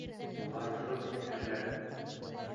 Улар сығып китһендәр!